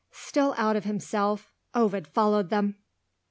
Still out of himself, Ovid followed them.